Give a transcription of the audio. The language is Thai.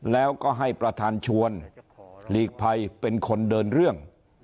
แล้วก็ให้ประธานชวนหลีกภัยเป็นคนเดินเรื่อง